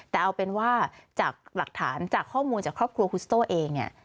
แต่เอาเป็นว่าจากหลักฐานจากข้อมูลจากครอบครัวคุสโต้เองเนี่ย